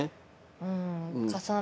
うん。